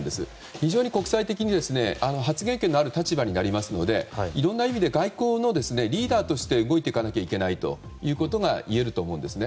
非常に国際的に発言権のある立場になりますのでいろんな意味で外交のリーダーとして動いていかないといけないということがいえると思うんですね。